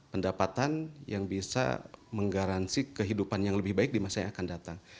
pendapatan yang bisa menggaransi kehidupan yang lebih baik di masa yang akan datang